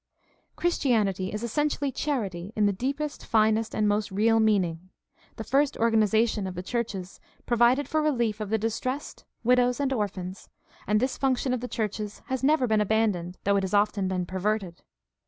— Christianity is essentially charity in the deepest, finest, and most real meaning. The first organization of the churches provided for rehef of the distressed, widows, and orphans; and this function of the churches has never been abandoned, though it has often been perverted.